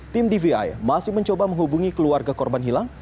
tim dvi masih mencoba menghubungi keluarga korban hilang